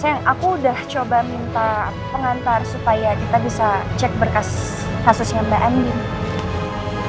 sayang aku udah coba minta pengantar supaya kita bisa cek berkas kasusnya mending